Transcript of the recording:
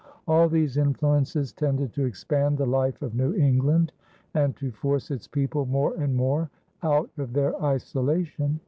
All these influences tended to expand the life of New England and to force its people more and more out of their isolation.